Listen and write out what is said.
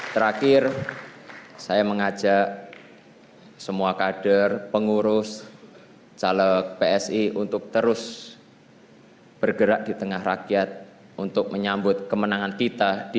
terakhir saya mengajak semua kader pengurus caleg psi untuk terus bergerak di tengah rakyat untuk menyambut kemenangan kita di dua ribu dua puluh empat